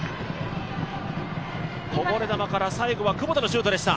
こぼれ球から最後は久保田のシュートでした。